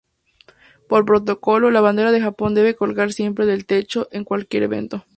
Por protocolo, la bandera de Japón debe colgar siempre del techo en cualquier evento.